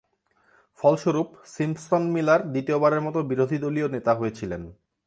ফলস্বরূপ, সিম্পসন-মিলার দ্বিতীয়বারের মতো বিরোধী দলীয় নেতা হয়েছিলেন।